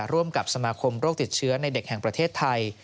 ร่วมกับสมาคมโรคติดเชื้อในเด็กแห่งประเทศไทย